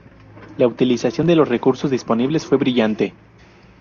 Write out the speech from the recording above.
La utilización de los recursos disponibles fue brillante.